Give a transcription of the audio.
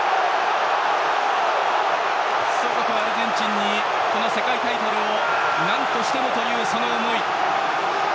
祖国アルゼンチンにこの世界タイトルをなんとしてもという、その思い。